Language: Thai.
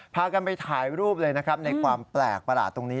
พากันไปถ่ายรูปเลยนะครับในความแปลกประหลาดตรงนี้